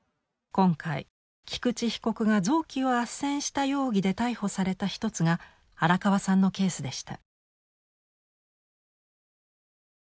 今回菊池被告が臓器をあっせんした容疑で逮捕された一つが荒川さんのケースでした。